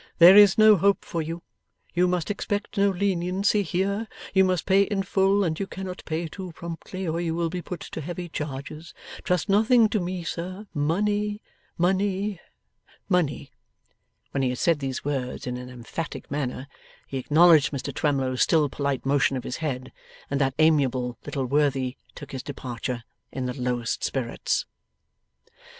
'There is no hope for you. You must expect no leniency here. You must pay in full, and you cannot pay too promptly, or you will be put to heavy charges. Trust nothing to me, sir. Money, money, money.' When he had said these words in an emphatic manner, he acknowledged Mr Twemlow's still polite motion of his head, and that amiable little worthy took his departure in the lowest spirits.